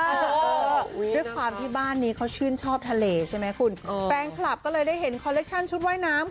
ด้วยความที่บ้านนี้เขาชื่นชอบทะเลใช่ไหมคุณแฟนคลับก็เลยได้เห็นคอลเลคชั่นชุดว่ายน้ำ